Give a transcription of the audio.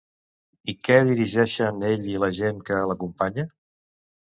I què dirigeixen ell i la gent que l'acompanya?